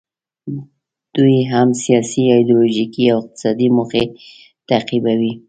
دوی هم سیاسي، ایډیالوژیکي او اقتصادي موخې تعقیبوي.